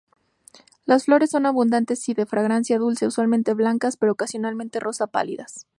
Las flores son abundantes y de fragancia dulce, usualmente blancas pero ocasionalmente rosa pálidas.